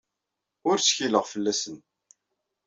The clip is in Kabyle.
Ur ttkileɣ fell-asen.